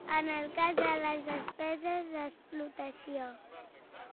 En el cas de les despeses d'explotació.